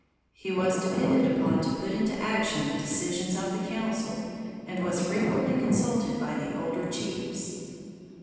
He was depended upon to put into action the decisions of the council, and was frequently consulted by the older chiefs.